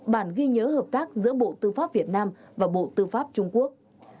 bản ghi nhớ hợp tác giữa bộ tư pháp việt nam và bộ tư pháp trung quốc